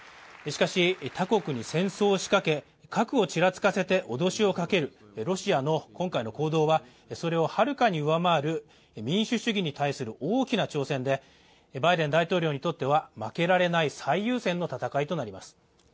しかし、他国に戦争を仕掛け、核をちらつかせて脅しをかける、ロシアの今回の行動はそれをはるかに上回る民主主義に対する大きな挑戦でバイデン大統領にとっては負けられない最優先の戦いになります。